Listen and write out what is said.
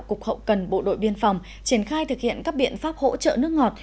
cục hậu cần bộ đội biên phòng triển khai thực hiện các biện pháp hỗ trợ nước ngọt